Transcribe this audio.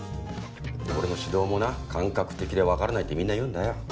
俺の指導もな感覚的でわからないってみんな言うんだよ。